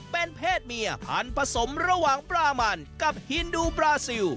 เป็นเพศเมียพันธุ์ผสมระหว่างปลามันกับฮินดูปลาซิล